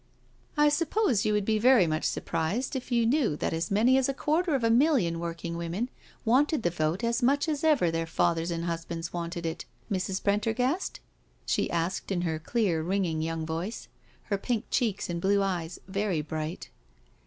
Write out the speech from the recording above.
" I suppose you would be very much surprised if you knew that as many as a quarter of a million work ing women wanted the vote as much as ever their fathers and husbands wanted it, Mrs. Prendergast?" she asked in her clear, ringing young voice; her pink cheeks and blue eyes very bright.